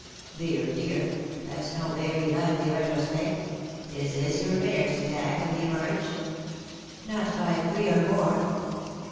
" Dear, dear, that's no vairy lively retrospaict. Is this your fairst attack of heemorrage V " Not by three or four.''